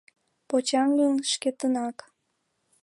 Почаҥын шкетынак.